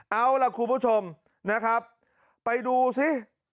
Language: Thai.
เอาล่ะคุณผู้ชมนะครับไปดูซิ